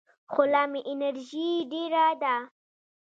خو لا مې انرژي ډېره ده.